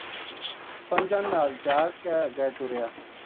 پنجاں نال چا کے اگے ٹریا۔